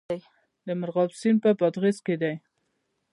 د مرغاب سیند په بادغیس کې دی